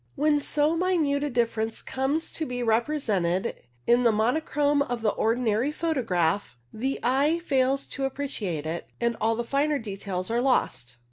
When so minute a difference comes to be represented in the monochrome of the ordinary photograph, the eye fails to appreciate it, and all the finer details are lost.